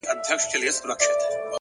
پوه انسان د حقیقت ارزښت درک کوي!